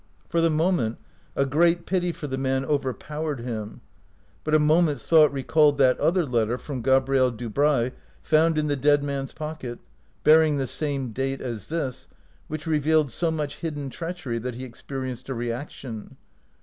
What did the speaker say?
For the moment a great pity for the man overpow ered him, but a moment's thought recalled that other letter from Gabrielle Dubray found in the dead man's pocket, bearing the same date as this, which revealed so much hidden treachery that he experienced a re action.